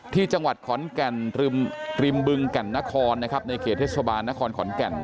ที่จังหวัดขอนแก่นริมบึงแก่นนครนะครับในเขตเทศบาลนครขอนแก่น